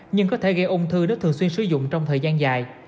nhưng có thể gây ung thư nếu thường xuyên sử dụng trong thời gian dài